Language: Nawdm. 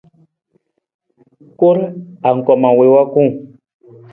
Kur, angkoma wii wa kung.